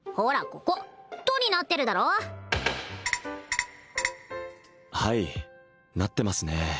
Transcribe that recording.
ここ「と」になってるだろはいなってますね